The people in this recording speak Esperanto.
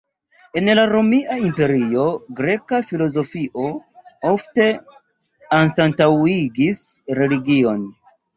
En la romia imperio, greka filozofio ofte anstataŭigis religion.